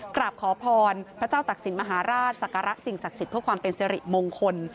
กราบขอพรพระเจ้าตักศิลปมหาราชศักระสิ่งศักดิ์สิทธิ์เพื่อความเป็นสิริมงคล